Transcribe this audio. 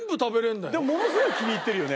でもものすごい気に入ってるよね。